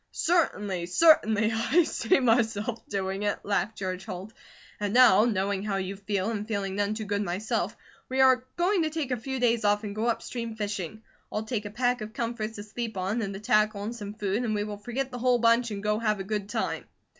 "Certainly! Certainly! I see myself doing it!" laughed George Holt. "And now, knowing how you feel, and feeling none to good myself, we are going to take a few days off and go upstream, fishing. I'll take a pack of comforts to sleep on, and the tackle and some food, and we will forget the whole bunch and go have a good time.